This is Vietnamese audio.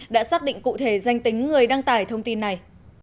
đã xác định cụ thể danh tính người đăng tải thông tin này